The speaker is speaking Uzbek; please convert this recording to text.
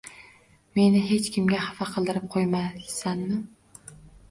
Meni hech kimga xafa qildirib qo`ymaysanmi